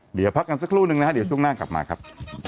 เดี๋ยวพักกันสักครู่นึงนะฮะเดี๋ยวช่วงหน้ากลับมาครับ